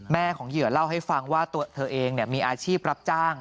ของเหยื่อเล่าให้ฟังว่าตัวเธอเองมีอาชีพรับจ้าง